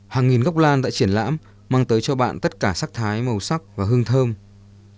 hàng nghìn gốc lan tại triển lãm mang tới cho bạn tất cả sắc thái màu sắc và các loài hoa cao quý này